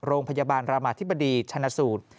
โรงพยาบาลรามาธิบดีชนะสูตร